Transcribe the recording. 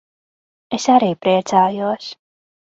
Es arī priecājos.